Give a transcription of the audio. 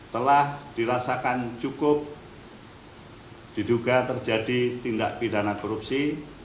telah dirasakan cukup diduga terjadi tindak pidana korupsi